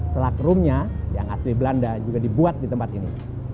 selak rumnya yang asli belanda juga dibuat di tempat ini